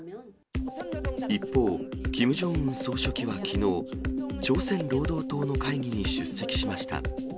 一方、キム・ジョンウン総書記はきのう、朝鮮労働党の会議に出席しました。